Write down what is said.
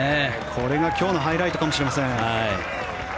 これが今日のハイライトかもしれません。